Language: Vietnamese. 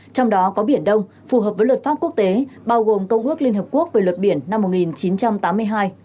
trong đó có biển đông phù hợp với luật pháp quốc tế bao gồm công ước liên hợp quốc về luật biển năm một nghìn chín trăm tám mươi hai